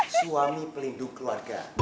suami pelindung keluarga